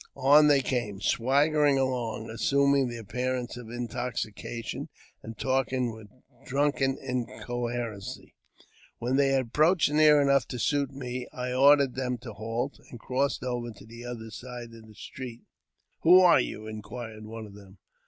On they came, swagger ing along, assuming the appearance of intoxication, and talking with drunken incoherency. When they had approached near enough to suit me, I ordered them to halt, and cross over to the other side of the street. " Who are you? " inquired one of them.